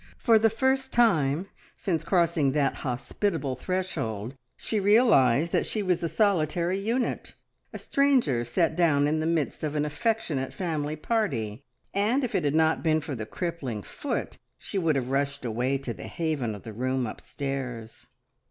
For the first time since crossing that hospitable threshold she realised that she was a solitary unit, a stranger set down in the midst of an affectionate family party, and if it had not been for the crippling foot, she would have rushed away to the haven of the room upstairs.